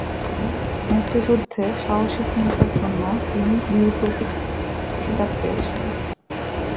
মুক্তিযুদ্ধে সাহসী ভূমিকার জন্য তিনি বীর প্রতীক খেতাব পেয়েছেন।